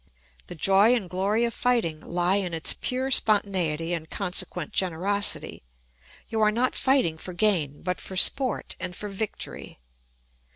The joy and glory of fighting lie in its pure spontaneity and consequent generosity; you are not fighting for gain, but for sport and for victory.